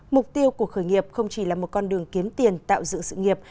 mục tiêu của khởi nghiệp không chỉ là một con đường kiếm tiền tạo dựng sự nghiệp